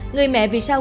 người mẹ vì sao